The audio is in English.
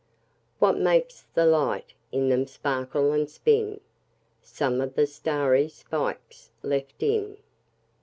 What makes the light in them sparkle and spin? Some of the starry spikes left in.